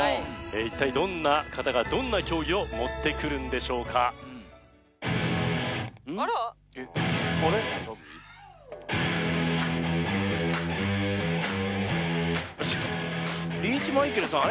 一体どんな方がどんな競技を持ってくるんでしょうかあらっリーチマイケルさん？